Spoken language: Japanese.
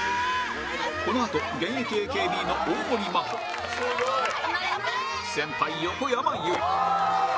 このあと現役 ＡＫＢ の大盛真歩先輩横山由依